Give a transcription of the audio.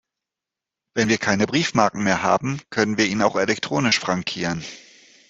Wenn wir keine Briefmarken mehr haben, können wir ihn auch elektronisch frankieren.